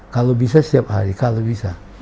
kalau bisa setiap hari kalau bisa